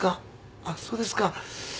あっそうですか。